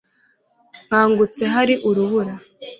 Nkangutse hari urubura